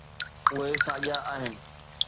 اهي ساڳيا آهن.